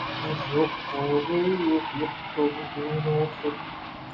آ یک پارگی یک کُتابے ءِ دیم ءَ نہ اوشت اَنت